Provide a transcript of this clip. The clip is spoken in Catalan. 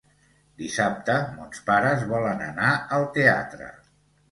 Dissabte mons pares volen anar al teatre.